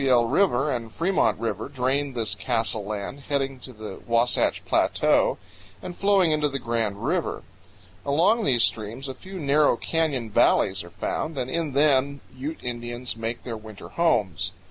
San Rafael River and Fremont River drain this Castle land, heading in the Wasatch Plateau and flowing into the Grand River. Along these streams a few narrow canyon valleys are found, and in them Ute Indians make their winter homes.